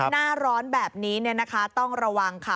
หน้าร้อนแบบนี้ต้องระวังค่ะ